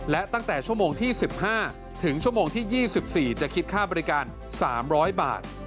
และตั้งแต่ชั่วโมงที่๑๕ถึงชั่วโมงที่๒๔จะคิดค่าบริการ๓๐๐บาท